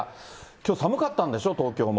きょう寒かったんでしょう、東京も。